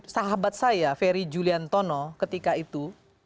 sahabat saya ferry julian tono ketika itu